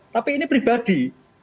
tapi ini pribadi